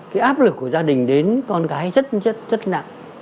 cái áp lực của gia đình đến con cái rất rất nặng